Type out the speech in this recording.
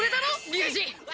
龍二！